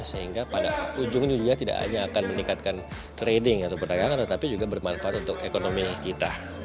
sehingga pada ujungnya juga tidak hanya akan meningkatkan trading atau perdagangan tetapi juga bermanfaat untuk ekonomi kita